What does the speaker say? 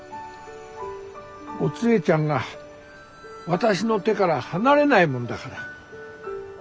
お杖ちゃんが私の手から離れないもんだから。